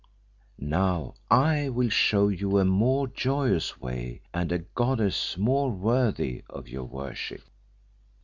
Now I will show you a more joyous way and a goddess more worthy of your worship.